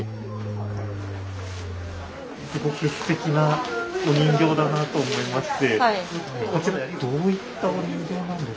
すごくすてきなお人形だなと思いまして。